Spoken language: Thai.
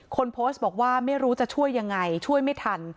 คนโพสต์บอกว่าไม่รู้จะช่วยยังไงช่วยไม่ทัน